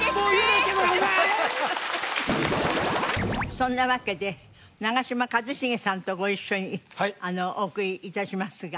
そんなわけで長嶋一茂さんとご一緒にお送り致しますが。